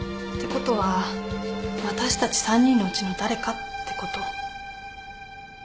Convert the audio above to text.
ことは私たち３人のうちの誰かってこと？